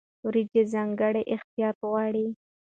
وریجې ځانګړی احتیاط غواړي.